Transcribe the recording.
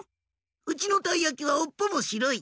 「うちのたいやきはおっぽもしろい。